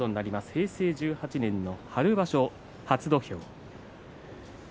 平成１８年の春場所初土俵です。